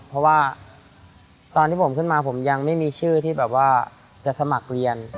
เพราะว่าตอนที่ผมขึ้นมาผมยังไม่มีชื่อที่แบบว่าจะสมัครเรียน